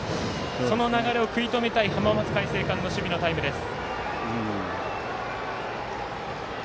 その流れを食い止めたい浜松開誠館の守備のタイムです。